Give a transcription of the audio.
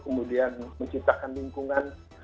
kemudian menciptakan lingkungan